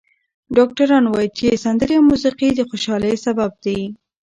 ډاکټران وايي چې سندرې او موسیقي د خوشحالۍ سبب دي.